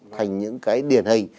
thành những cái điển hình